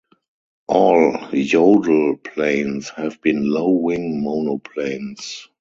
All Jodel planes have been low-wing monoplanes.